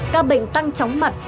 ca bệnh tăng tróng mặt